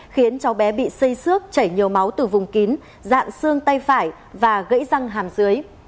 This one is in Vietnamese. khiến cháu bé bị xây xước chảy nhiều máu từ vùng kín dạng xương tay phải và gãy răng hàm dưới